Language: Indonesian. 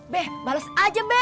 be bales aja be